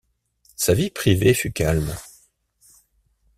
Sa vie privée fut calme.